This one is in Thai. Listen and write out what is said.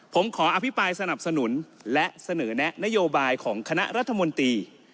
ผมขออภิปรายสนับสนุนและเสนอแนะนโยบายของคณะรัฐมนตรี